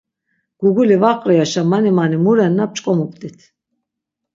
Guguli va qriaşa mani mani mu renna p̆ç̆k̆omupt̆it.